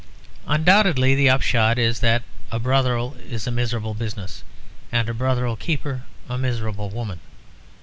Undoubtedly the upshot is that a brothel is a miserable business, and a brothel keeper a miserable woman.